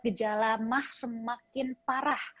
gejala emas semakin parah